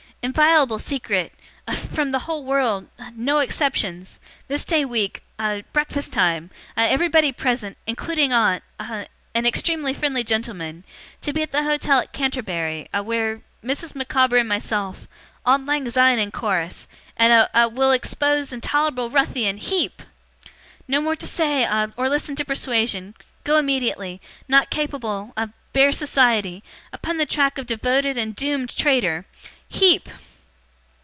'Inviolable secret a from the whole world a no exceptions this day week a at breakfast time a everybody present including aunt a and extremely friendly gentleman to be at the hotel at Canterbury a where Mrs. Micawber and myself Auld Lang Syne in chorus and a will expose intolerable ruffian HEEP! No more to say a or listen to persuasion go immediately not capable a bear society upon the track of devoted and doomed traitor HEEP!